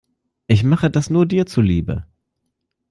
Ich mache das nur dir zuliebe.